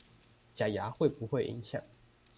假牙會不會影響